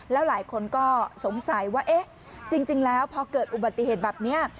แล้วหลายคนก็สงสัยว่าเอ๊ะจริงแล้วพอเกิดอุบัติเหตุแบบนี้